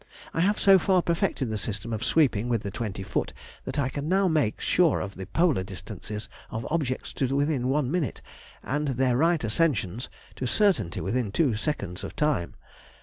I have so far perfected the system of sweeping with the twenty foot that I can now make sure of the polar distances of objects to within 1ʹ, and their right ascensions to certainly within 2ʺ of time.